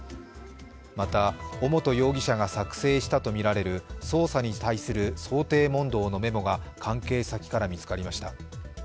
また尾本容疑者が作成したとみられる捜査に対する想定問答のメモが関係先から見つかりました。